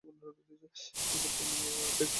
তিনি বর্তমানে Raw tag team champions.